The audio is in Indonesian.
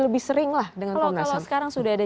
lebih sering lah dengan kalau sekarang sudah ada